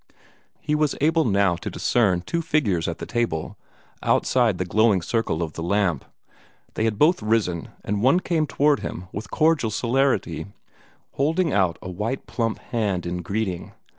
He was able now to discern two figures at the table, outside the glowing circle of the lamp. They had both risen, and one came toward him with cordial celerity, holding out a white plump hand in greeting.